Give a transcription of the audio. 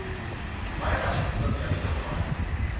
前橋、宇都宮、水戸、熊谷。